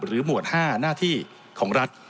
หมวด๕หน้าที่ของรัฐ